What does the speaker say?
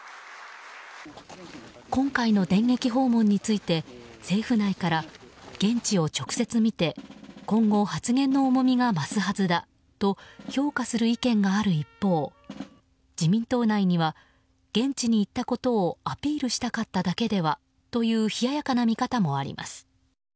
今回の電撃訪問について政府内から現地を直接見て今後、発言の重みが増すはずだと評価する意見がある一方自民党内には現地に行ったことをアピールしたかっただけではという冷ややかな見方もあります。